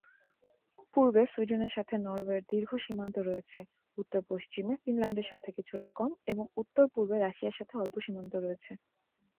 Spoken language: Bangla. পূর্বে সুইডেনের সাথে নরওয়ের দীর্ঘ সীমান্ত রয়েছে, উত্তর পশ্চিমে ফিনল্যান্ডের সাথে কিছুটা কম এবং উত্তর-পূর্বে রাশিয়ার সাথে অল্প সীমান্ত রয়েছে।